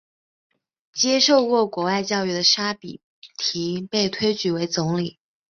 接受过国外教育的沙比提被推举为总理。